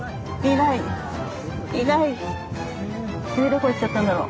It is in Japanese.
どこ行っちゃったんだろう。